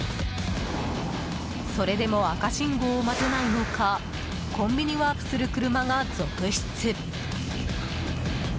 それでも、赤信号を待てないのかコンビニワープする車が続出。